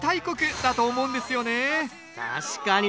確かに！